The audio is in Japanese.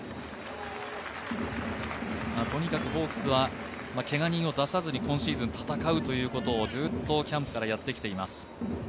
とにかくホークスはけが人を出さすに今シーズン戦うということをずっとキャンプからやってきています。